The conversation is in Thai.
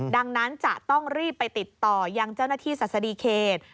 ดังนั้นจะต้องรีบไปติดต่อยังเจ้าหน้าที่ศาสดีเขต